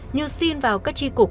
như xin vào các tri cục